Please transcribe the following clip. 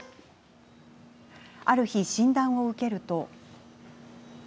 ある日、診断を受けると。